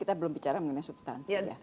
kita belum bicara mengenai substansi ya